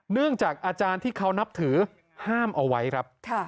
อาจารย์ที่เขานับถือห้ามเอาไว้ครับ